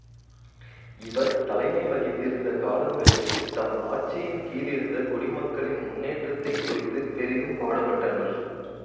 இவர் தலைமை வகித்திருந்த காலங்களில் தம் ஆட்சியின் கீழிருந்த குடிமக்களின் முன்னேற்றத்தைக் குறித்துப் பெரிதும் பாடுபட்டனர்.